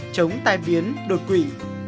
chống tai biến đột quỷ